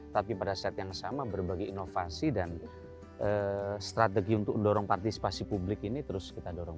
tapi pada saat yang sama berbagai inovasi dan strategi untuk mendorong partisipasi publik ini terus kita dorong